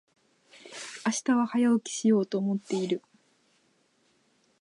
明日は早起きしようと思っている。